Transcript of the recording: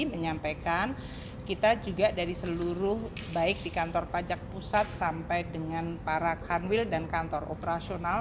menyampaikan kita juga dari seluruh baik di kantor pajak pusat sampai dengan para kanwil dan kantor operasional